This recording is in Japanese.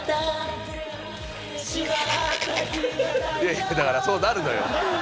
いやだからそうなるのよ。